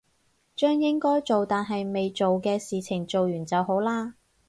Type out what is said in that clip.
將應該做但係未做嘅事情做完就好啦